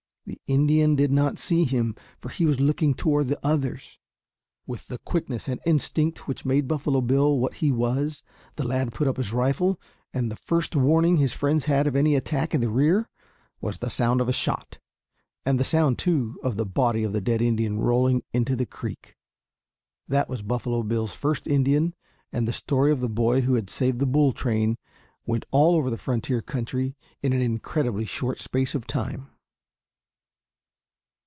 The Indian did not see him, for he was looking toward the others. With the quickness and instinct which made Buffalo Bill what he was, the lad put up his rifle, and the first warning his friends had of any attack in the rear was the sound of a shot, and the sound, too, of the body of the dead Indian rolling down into the creek. That was Buffalo Bill's first Indian, and the story of the boy who had saved the bull train went all over the frontier country in an incredibly short space of time.